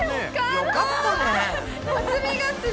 よかったね。